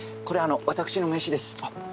これあのう私の名刺です。